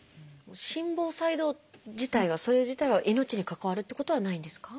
心房細動自体はそれ自体は命に関わるってことはないんですか？